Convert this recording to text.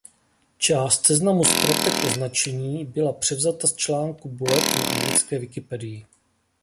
Část seznamu zkratek označení byla převzata z článku „Bullet“ na anglické wikipedii.